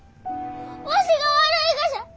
わしが悪いがじゃ！